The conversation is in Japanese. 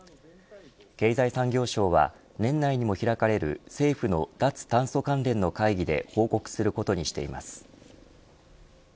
経済産業省は、年内にも開かれる政府の脱炭素関連の会議で報告することにしています。